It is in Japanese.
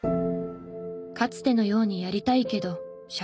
かつてのようにやりたいけど社会が。